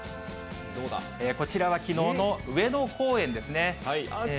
こちらはきのうの上野公園ですね。